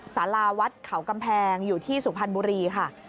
สาราวัดเขากำแพงอยู่ที่สุพรรณบุรีค่ะ